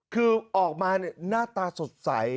คือออกมาหน้าตาสดใส